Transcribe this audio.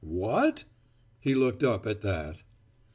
"What?" He looked up at that.